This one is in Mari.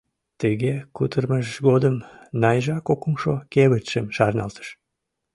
Тыге кутырымыж годым Найжа кокымшо кевытшым шарналтыш.